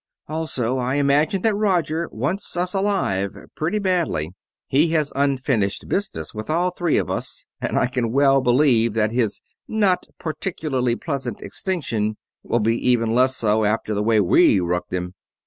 Also, I imagine that Roger wants us alive pretty badly. He has unfinished business with all three of us, and I can well believe that his 'not particularly pleasant extinction' will be even less so after the way we rooked him."